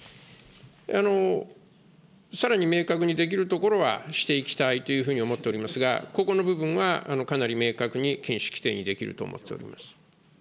さらに明確にできるところはしていきたいというふうに思っておりますが、ここの部分はかなり明確に禁止規定にできると思っています。